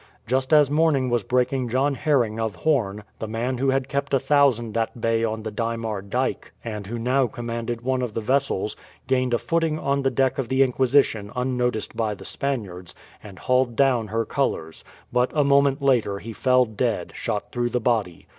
Just as morning was breaking John Haring of Horn the man who had kept a thousand at bay on the Diemar Dyke, and who now commanded one of the vessels gained a footing on the deck of the Inquisition unnoticed by the Spaniards, and hauled down her colours; but a moment later he fell dead, shot through the body.